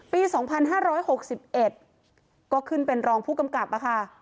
ปี๒๕๖๑ก็ขึ้นเป็นรองผู้กำกับค่ะ